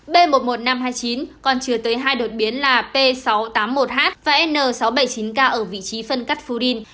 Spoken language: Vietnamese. b một mươi một nghìn năm trăm hai mươi chín còn chứa tới hai đột biến là p sáu trăm tám mươi một h và n sáu trăm bảy mươi chín k ở vị trí phân cắt phudin